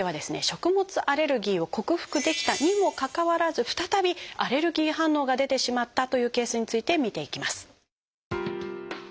食物アレルギーを克服できたにもかかわらず再びアレルギー反応が出てしまったというケースについて見ていきます。